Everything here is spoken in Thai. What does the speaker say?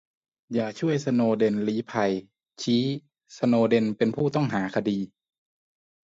อย่าช่วยสโนว์เดนเรื่องลี้ภัย ชี้สโนว์เดนเป็นผู้ต้องหาคดี